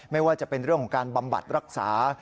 ไม่ว่าจะเป็นเรื่องของการบำบัดรักษา